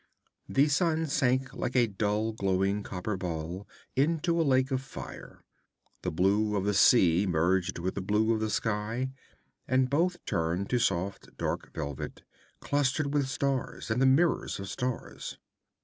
The sun sank like a dull glowing copper ball into a lake of fire. The blue of the sea merged with the blue of the sky, and both turned to soft dark velvet, clustered with stars and the mirrors of stars.